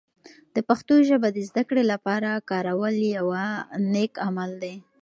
د پښتو ژبه د زده کړې لپاره کارول یوه نیک عمل دی.